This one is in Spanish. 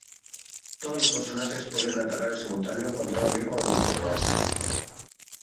Todos los personajes pueden atacar en simultáneo contra un enemigo en un turno.